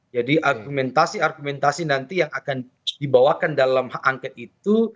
jadi argumentasi argumentasi nanti yang akan dibawakan dalam hak angket itu